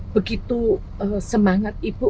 begitu semangat ibu